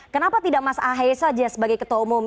kenapa tidak mas ahy saja sebagai ketua umum